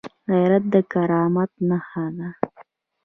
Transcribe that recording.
غیرت د کرامت نښه ده